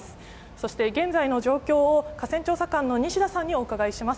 そして現在の状況を河川調査官の西田さんにお伺いします。